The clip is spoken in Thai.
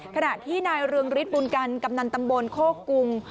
ขณะที่นายเรืองฤทธิบุญกันกำนันตำบลโคกรุง